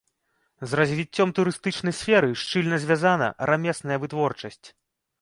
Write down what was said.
З развіццём турыстычнай сферы шчыльна звязана рамесная вытворчасць.